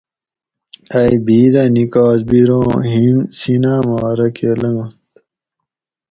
اۓ بھیدہ نِکاس بیروں ھِیم سیناۤ ما رکہ لنگنت